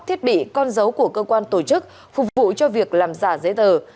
thiết bị con dấu của cơ quan tổ chức phục vụ cho việc làm giả giấy tờ